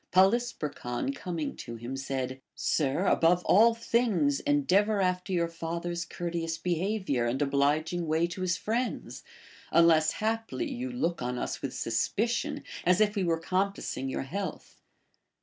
Poly sperchon coming to him said : Sir, above all things en deavor after your father s courteous behavior and obliging way to his friends, unless haply you look on us with sus picion as if we were compassing your health.